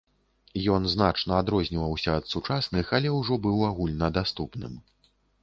Ён значна адрозніваўся ад сучасных, але ўжо быў агульнадаступным.